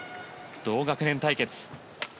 同学年対決。